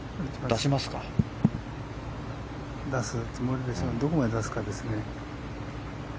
出すつもりでしょうけどどこまで出すかですね。